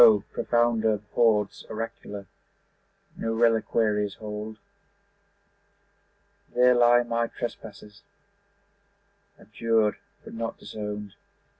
profounder hoards oracular No reliquaries hold. There lie my trespasses, Abjured but not disowned.